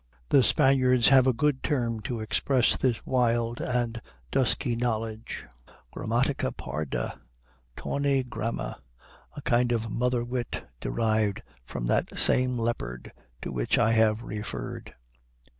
The Spaniards have a good term to express this wild and dusky knowledge Gramática parda, tawny grammar, a kind of mother wit derived from that same leopard to which I have referred.